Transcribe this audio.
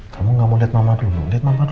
kamu gak mau liat mama dulu liat mama dulu